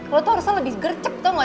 lo tuh harusnya lebih gercep tau gak